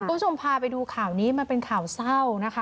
คุณผู้ชมพาไปดูข่าวนี้มันเป็นข่าวเศร้านะคะ